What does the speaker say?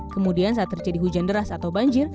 kemudian saat terjadi hujan deras atau banjir